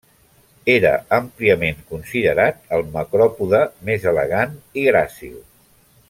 Era àmpliament considerat el macròpode més elegant i gràcil.